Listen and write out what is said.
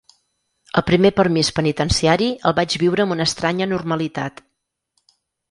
El primer permís penitenciari el vaig viure amb una estranya normalitat.